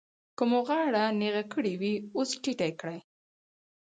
که مو غاړه نېغه کړې وي اوس ټیټه کړئ.